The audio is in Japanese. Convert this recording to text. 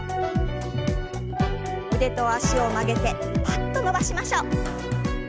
腕と脚を曲げてパッと伸ばしましょう。